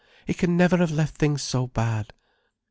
He can never have left things so bad."